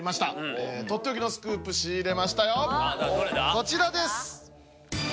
こちらです。